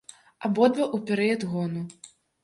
Абодва ў перыяд гону.